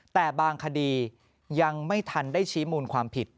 แต่บางคดียังไม่ทันได้ชี้มูลความผิด